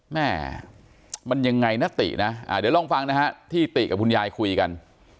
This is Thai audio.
แม่มันยังไงนะตินะเดี๋ยวลองฟังนะฮะที่ติกับคุณยายคุยกัน